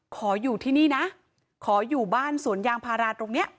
ขออยู่ที่นี่นะขออยู่บ้านสวนยางพาราตรงนี้